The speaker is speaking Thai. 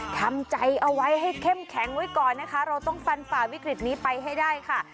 ทำใจเอาไว้ให้เข้มแข็งไว้ก่อนนะคะเราต้องฟันฝ่าวิกฤตนี้ไปให้ได้ค่ะ